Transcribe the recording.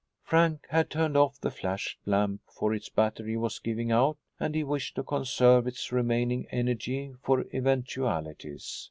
Frank had turned off the flashlamp, for its battery was giving out and he wished to conserve its remaining energy for eventualities.